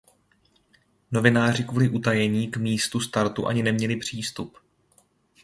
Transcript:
Novináři kvůli utajení k místu startu ani neměli přístup.